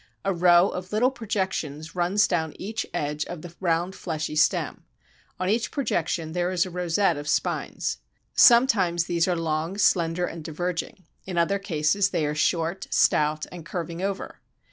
A row of little projections runs down each edge of the round fleshy stem. On each projection there is a rosette of spines. Sometimes these are long, slender, and diverging; in other cases they are short, stout, and curving over.